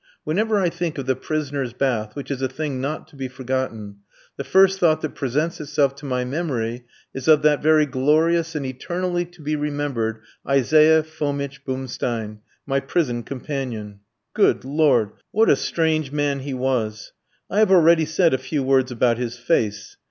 Whenever I think of the prisoner's bath, which is a thing not to be forgotten, the first thought that presents itself to my memory is of that very glorious and eternally to be remembered, Isaiah Fomitch Bumstein, my prison companion. Good Lord! what a strange man he was! I have already said a few words about his face.